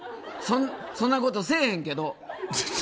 そんなことせえへんけど。